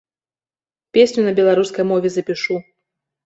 Песню на беларускай мове запішу.